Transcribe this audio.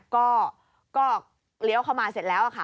ก็เลี้ยวเข้ามาเสร็จแล้วค่ะ